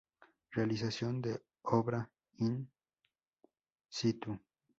Realización de obra In-situ.